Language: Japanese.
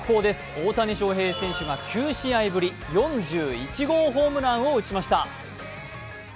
大谷翔平選手が９試合ぶり、４１号ホームランを打ちました。